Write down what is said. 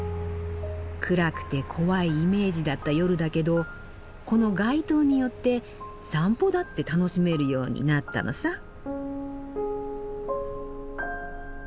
暗くて怖いイメージだった夜だけどこの街灯によって散歩だって楽しめるようになったのさ。